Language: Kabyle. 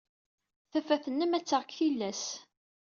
Tafat-nnem ad d-taɣ deg tillas.